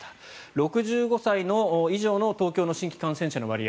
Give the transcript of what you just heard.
６５歳以上の東京の新規感染者の割合